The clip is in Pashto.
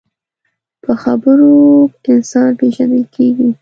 په خبرو انسان پیژندل کېږي